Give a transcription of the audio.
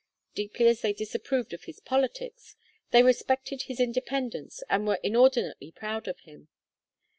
Deeply as they disapproved of his politics, they respected his independence and were inordinately proud of him.